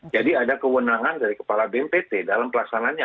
jadi ada kewenangan dari kepala bnpt dalam pelaksanaannya